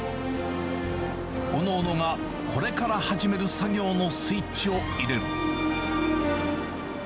おのおのがこれから始める作業のスイッチを入れる。